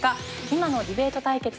今のディベート対決